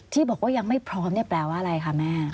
ที่บอกว่ายังไม่พร้อมเนี่ยแปลว่าอะไรคะแม่